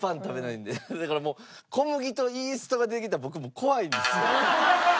だからもう小麦とイーストが出てきたら僕もう怖いんですよ。